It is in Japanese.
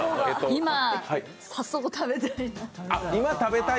今、早速食べたい。